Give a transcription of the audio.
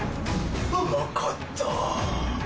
うまかったぁ。